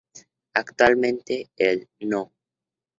Actualmente el No.